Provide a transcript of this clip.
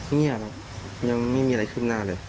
เงียบครับยังไม่มีอะไรขึ้นหน้าเลย